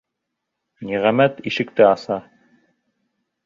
Ниғәмәт ишекте аса.